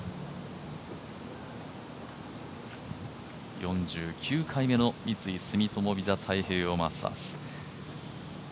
４９回目の三井住友ＶＩＳＡ太平洋マスターズ。